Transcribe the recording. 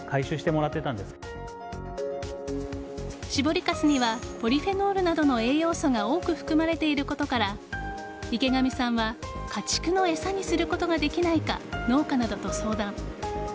搾りかすにはポリフェノールなどの栄養素が多く含まれていることから池上さんは家畜の餌にすることができないか農家などと相談。